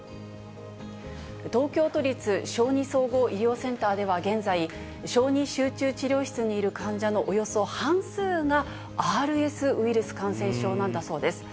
東京都立小児総合医療センターでは、現在、小児集中治療室にいる患者のおよそ半数が、ＲＳウイルス感染症なんだそうです。